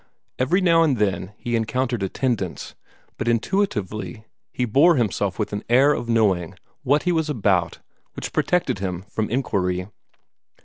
Every now and then he encountered attendants, but intuitively he bore himself with an air of knowing what he was about which protected him from inquiry.